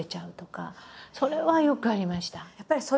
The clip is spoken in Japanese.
それはよくありました。